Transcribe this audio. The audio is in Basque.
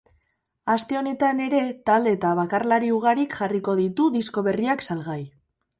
Aste honetan ere talde eta bakarlari ugarik jarriko ditu disko berriak salgai.